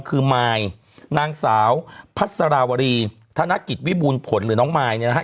คือมายนางสาวพัสราวรีธนกิจวิบูรณ์ผลหรือน้องมายเนี่ยนะฮะ